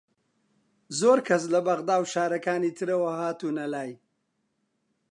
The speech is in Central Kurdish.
زۆر کەس لە بەغدا و شارەکانی ترەوە هاتوونە لای